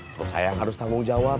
terus saya yang harus tanggung jawab